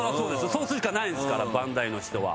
そうするしかないんですからバンダイの人は。